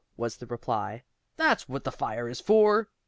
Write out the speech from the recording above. was the reply. "That's what the fire is for!"